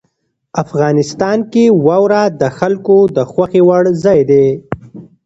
افغانستان کې واوره د خلکو د خوښې وړ ځای دی.